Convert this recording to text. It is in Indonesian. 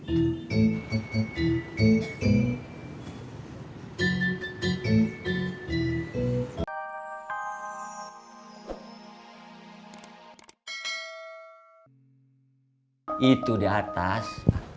itu di atas